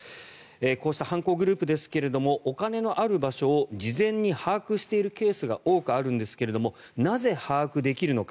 こうした犯行グループですがお金のある場所を事前に把握しているケースが多くあるんですがなぜ把握できるのか。